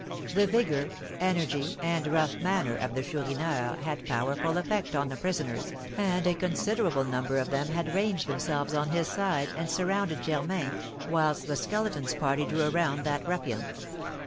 The vigour, energy, and rough manner of the Chourineur had powerful effect on the prisoners, and a considerable number of them had ranged themselves on his side, and surrounded Germain, whilst the Skeleton's party drew around that ruffian.